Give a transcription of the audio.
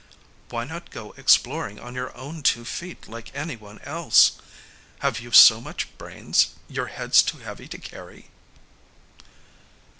"Why not go exploring on your own two feet like anyone else? Have you so much brains, your head's too heavy to carry?"